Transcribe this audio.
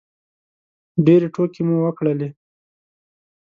ډېرې ټوکې مو وکړلې